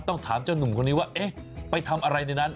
ต้องถามเจ้านุ่มคนนี้ว่าเอ๊ะไปทำอะไรในนั้น